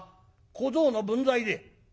小僧の分際で。